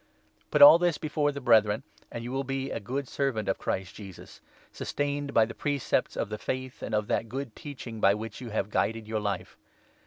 Put all this before the Brethren, and you will be a good 6 servant of Christ Jesus, sustained by the precepts of the Faith and of that Good Teaching by which you have guided your life.